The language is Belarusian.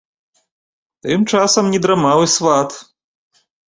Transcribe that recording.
Тым часам не драмаў і сват.